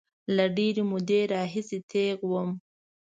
له ډېرې مودې راهیسې دیغ وم.